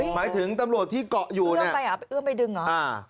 หมายถึงตำรวจที่เกาะอยู่นะไปเอื้อมไปดึงเหรอ